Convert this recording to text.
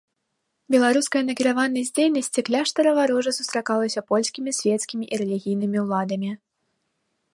Беларуская накіраванасць дзейнасці кляштара варожа сустракалася польскімі свецкімі і рэлігійнымі ўладамі.